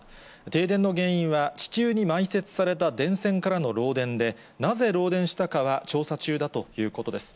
停電の原因は、地中に埋設された電線からの漏電で、なぜ漏電したかは調査中だということです。